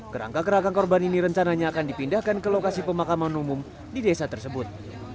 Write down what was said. kerangka kerangka korban ini rencananya akan dipindahkan ke lokasi pemakaman umum di desa tersebut